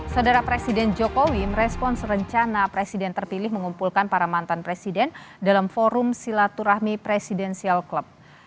saudara presiden jokowi merespons rencana presiden terpilih mengumpulkan para mantan presiden dalam forum silaturahmi presidensial club